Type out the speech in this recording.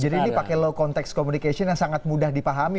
jadi ini pakai low context communication yang sangat mudah dipahami